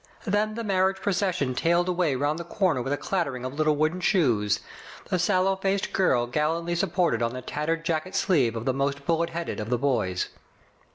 Then the marriage procession tailed away round the corner with a clattering of little wooden shoes, the sallow faced girl gallantly supported on the tattered jacket sleeve of the most bullet headed of the boys.